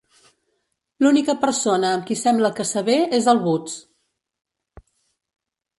L'única persona amb qui sembla que s'avé és el Buzz.